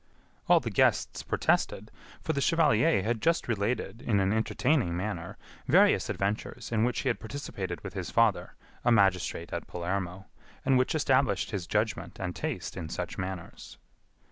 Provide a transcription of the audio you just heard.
All the guests protested; for the chevalier had just related in an entertaining manner various adventures in which he had participated with his father, a magistrate at Palermo, and which established his judgment and taste in such manners.